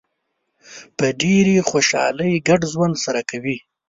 په ډېرې خوشحالۍ ګډ ژوند سره کوي.